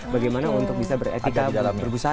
bagaimana untuk bisa beretika berbusana